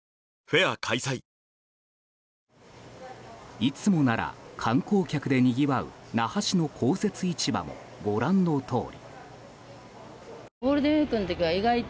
いつもなら観光客でにぎわう那覇市の公設市場もご覧のとおり。